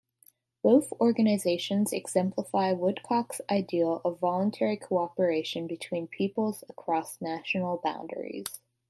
Both organizations exemplify Woodcock's ideal of voluntary cooperation between peoples across national boundaries.